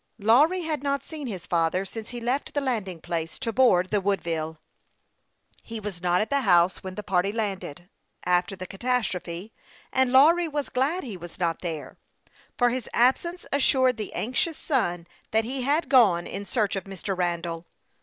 Lawry had not seen his father since he left the landing place to board the Woodville. He was not at the house when the party landed, after the catas trophe, and Lawry was glad he 'was not there, for 80 HASTE AND WASTE, OR his absence assured the anxious son that he had gone in search of Mr. Randall.